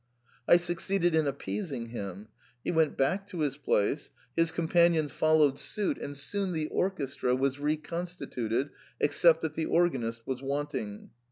I succeeded in appeasing him. He went back to his place, his companions followed suit, and soon the orchestra was reconstituted, except that the organist was wanting.